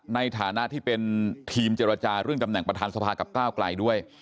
ในฐานะที่เป็นทีมเจรจาเรื่องตำแหน่งประธานสภากับก้าวไกลด้วย